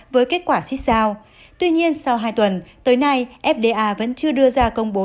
với kết quả xích sao tuy nhiên sau hai tuần tới nay fda vẫn chưa đưa ra công bố